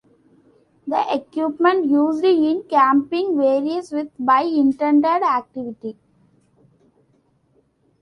The equipment used in camping varies with by intended activity.